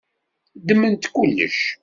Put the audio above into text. Ddmemt kullec.